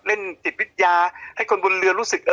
เล่นจิตวิทยาให้คนบนเรือรู้สึก